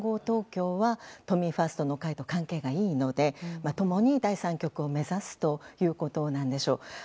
東京は都民ファーストの会と関係がいいので、共に第三極を目指すということなんでしょう。